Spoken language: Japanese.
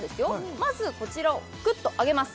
まずこちらをクッと上げます